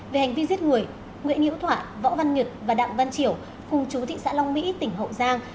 về hành vi giết người nguyễn hữu thoại võ văn nhật và đặng văn triểu cùng chú thị xã long mỹ tỉnh hậu giang